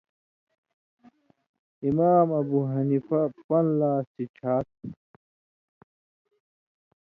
(امام ابو حنیفہ) پن٘دہۡ لا سِڇھاتُھو۔